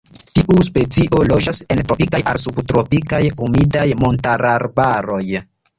Tiu specio loĝas en tropikaj al subtropikaj, humidaj montararbaroj.